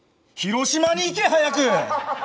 広島にいけ早く！